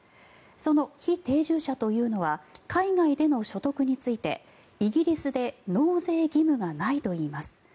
その非定住者というのは海外での所得についてイギリスで納税義務がないといいます。